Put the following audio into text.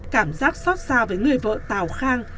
cảm giác xót xa với người vợ tào khang